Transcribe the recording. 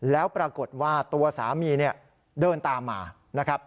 แล้วปรากฏว่าตัวสามีเนี่ยเดินตามมานะครับ